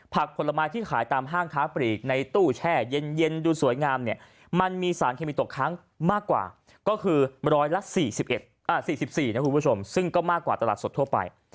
ผลไม้ที่ขายตามห้างค้าปลีกในตู้แช่เย็นดูสวยงามเนี่ยมันมีสารเคมีตกค้างมากกว่าก็คือ๑๔๔นะคุณผู้ชมซึ่งก็มากกว่าตลาดสดทั่วไป